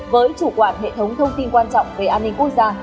với chủ quản hệ thống thông tin quan trọng về an ninh quốc gia